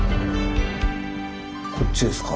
こっちですか。